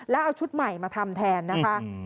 แล้วเอาชุดใหม่มาทำแทนนะคะ